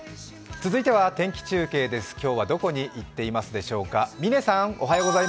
続いては天気中継です、今日はどこに行っていますでしょうか？